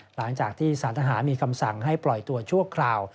หลังจากที่สารทหารมีคำสั่งให้ปล่อยตัวชั่วคราว